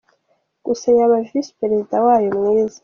Gusa yaba Visi Perezida wayo mwiza.